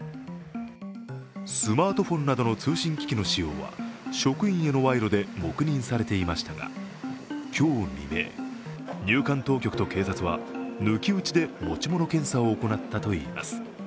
スマートフォンなどの通信機器の使用は職員への賄賂で黙認されていましたが、今日、未明、入管当局と警察は抜き打ちで持ち物検査を行ったといいます。